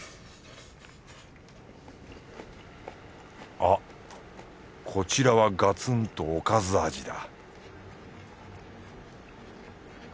あっこちらはガツンとおかず味だ